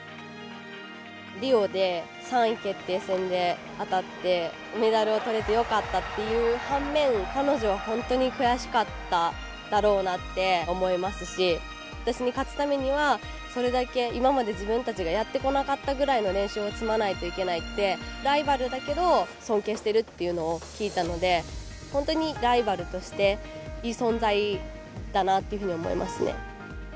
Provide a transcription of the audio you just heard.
リオで３位決定戦で当たってメダルを取れてよかったっていう反面彼女は本当に悔しかっただろうなって思いますし私に勝つためにはそれだけ今まで自分たちがやってこなかったぐらいの練習を積まないといけないってライバルだけど尊敬してるっていうのを聞いたので本当にライバルとしていい存在だなっていうふうに思いますね。